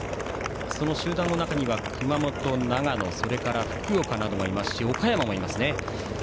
その集団の中には熊本、長野福岡などがいますし岡山もいますね。